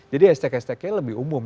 jadi hashtag hashtagnya lebih umum